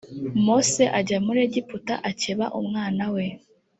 mose ajya muri egiputa akeba umwana we